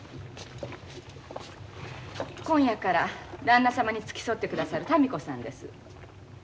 今夜からだんな様に付き添ってくださる民子さんです。